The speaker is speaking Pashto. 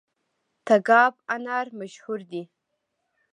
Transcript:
تګاب انار مشهور دي؟